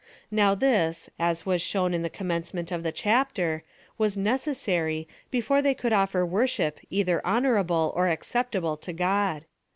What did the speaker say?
Now this, as was shown in the commencement of the chapter, was necessa ry, before they could offer worship either honora ble or acceptable to God.